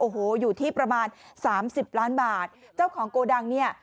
โอ้โหอยู่ที่ประมาณสามสิบล้านบาทเจ้าของโกดังเนี่ย